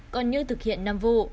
còn như thực hiện năm vụ